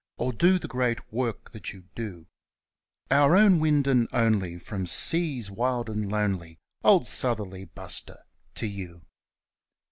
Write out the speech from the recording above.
Or do the great work that you do; Our Own Wind and Only, from seas wild and lonely Old Southerly Buster! To you!